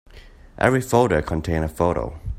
Every folder contained a photo.